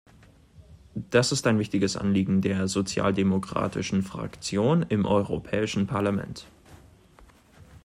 Das ist ein wichtiges Anliegen der sozialdemokratischen Fraktion im Europäischen Parlament.